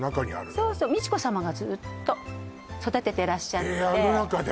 そうそう美智子さまがずっと育ててらっしゃってえっあの中で？